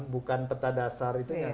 bukan peta dasar itu